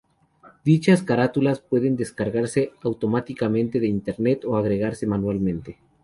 Dichas carátulas pueden descargarse automáticamente de Internet o agregarse manualmente.